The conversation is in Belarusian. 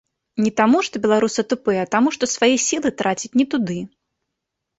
Не таму, што беларусы тупыя, а таму што свае сілы трацяць не туды.